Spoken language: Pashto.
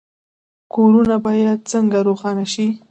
کورونه باید څنګه روښانه شي؟